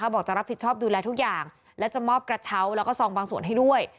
บอกจะรับผิดชอบดูแลทุกอย่างและจะมอบกระเช้าแล้วก็ซองบางส่วนให้ด้วย